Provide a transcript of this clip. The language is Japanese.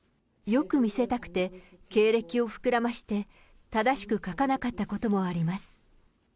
よく見せたくて、経歴を膨らまして、正しく書かなかったこともあります。